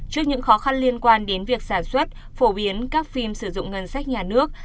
trước những khó khăn liên quan đến việc sản xuất phổ biến các phim sử dụng ngân sách nhà nước